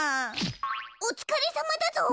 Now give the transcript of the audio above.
おつかれさまだぞ。